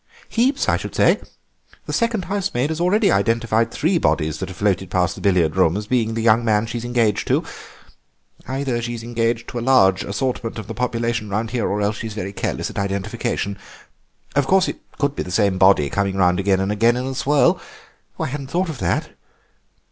"Heaps, I should say. The second housemaid has already identified three bodies that have floated past the billiard room window as being the young man she's engaged to. Either she's engaged to a large assortment of the population round here or else she's very careless at identification. Of course it may be the same body coming round again and again in a swirl; I hadn't thought of that."